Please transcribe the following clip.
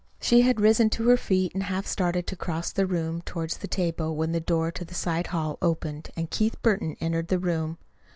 She had risen to her feet and half started to cross the room toward the table when the door to the side hall opened and Keith Burton entered the room.